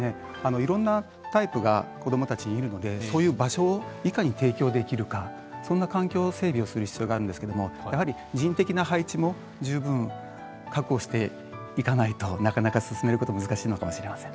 いろんなタイプが子どもたちにいるのでそういう場所をいかに提供できるかそんな環境整備をする必要があるんですけれどもやはり人的な配置も十分確保していかないとなかなか進めること難しいのかもしれません。